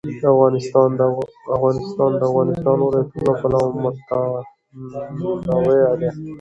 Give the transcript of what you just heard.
افغانستان د د افغانستان ولايتونه له پلوه متنوع دی.